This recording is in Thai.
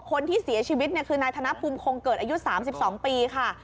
คนที่เสียชีวิตเนี่ยคือนายธนภูมิคงเกิดอายุ๓๒ปีค่ะ